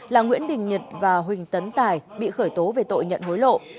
là nguyễn đình nhật và huỳnh tấn tài bị khởi tố về tội nhận hối lộ